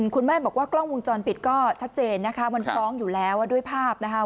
คุณแม่บอกว่ากล้องวงจรปิดก็ชัดเจนนะคะมันฟ้องอยู่แล้วด้วยภาพนะคะ